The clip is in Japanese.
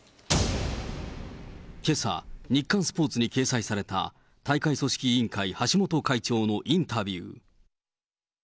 けさ、日刊スポーツに掲載された大会組織委員会、橋本会長のインタビュー。